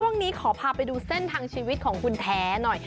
ขอพาไปดูเส้นทางชีวิตของคุณแท้หน่อย